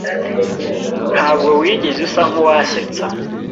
Ntabwo wigeze usa nkuwasetsa.